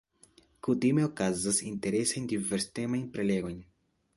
Kutime okazas interesaj, diverstemaj prelegoj.